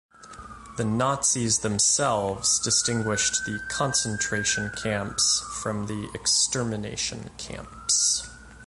The Nazis themselves distinguished the concentration camps from the extermination camps.